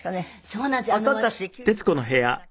そうなんです。